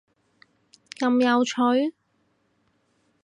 咁有趣？！